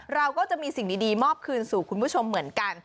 เราก็จะมีสิ่งดีมอบคืนสู่คุณผู้ชมเหมือนกัน